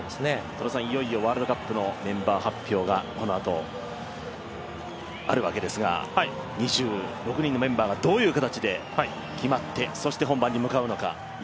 戸田さん、いよいよワールドカップのメンバー発表がこのあとあるわけですが、２６人のメンバーがどういう形で決まって、そして、本番に向かうのか。